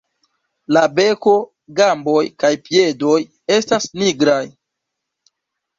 La beko, gamboj kaj piedoj estas nigraj.